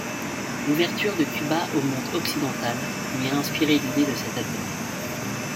L'ouverture de Cuba au monde occidental lui a inspiré l'idée de cet album.